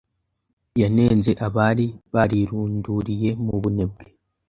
Yanenze abari barirunduriye mu bunebwe